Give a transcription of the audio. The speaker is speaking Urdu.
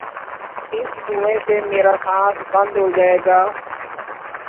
اس دھویں سے میرا سانس بند ہو جائے گا